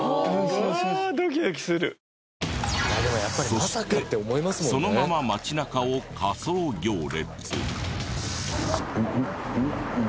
そしてそのまま町中を仮装行列。